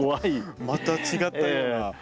また違ったような。